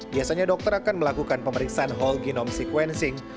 biasanya dokter akan melakukan pemeriksaan whole genome sequencing